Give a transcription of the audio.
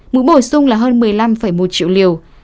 mũi bổ sung là hơn một mươi năm một triệu liều